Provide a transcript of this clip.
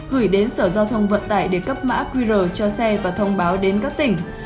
gửi đến sở giao thông vận tải để cấp mã qr cho xe và thông báo đến các tỉnh